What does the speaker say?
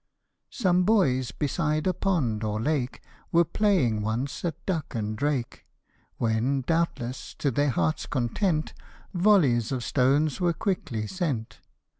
SOME boys, beside a pond or lake, Were playing once at duck and drake ; When, doubtless to their heart's content, Volleys of stones were quickly sent.